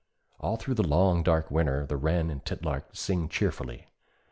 All through the long dark winter the wren and titlark sing cheerfully.